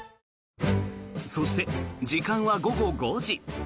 そして、時間は午後５時。